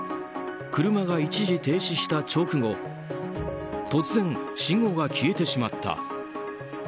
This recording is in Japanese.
車が一時停止した直後突然、信号が消えてしまった。